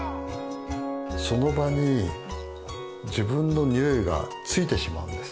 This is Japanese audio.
その場に自分のにおいがついてしまうんです。